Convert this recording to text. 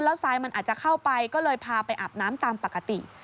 ทรายมันอาจจะเข้าไปก็เลยพาไปอาบน้ำตามปกติ